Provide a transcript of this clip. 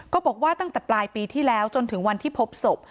ก็บอกว่าตั้งแต่ปลายปีที่แล้วจนถึงวันที่พบศพ